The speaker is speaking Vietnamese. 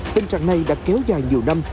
tình trạng này đã kéo dài nhiều năm